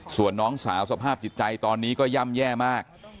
ส่วนน้องสาวสภาพจิตใจตอนนี้ก็ย่ำแย่มาก